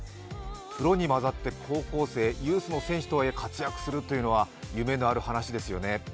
プロにまざって高校生ユースの選手とはいえ活躍するというのは夢のある話ですよね。